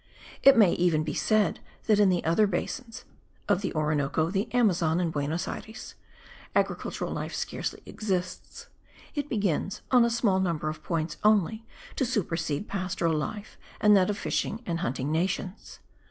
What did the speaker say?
It may even be said that in the other basins (of the Orinoco, the Amazon and Buenos Ayres) agricultural life scarcely exists; it begins, on a small number of points only, to supersede pastoral life, and that of fishing and hunting nations.